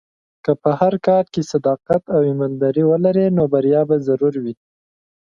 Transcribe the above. که په هر کار کې صداقت او ایمانداري ولرې، نو بریا به ضرور وي.